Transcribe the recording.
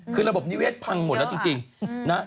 คือระบบนิเวศพังหมดแล้วจริงนะ